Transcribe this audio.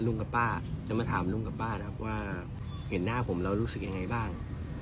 นะครับว่าเห็นหน้าผมแล้วรู้สึกยังไงบ้าง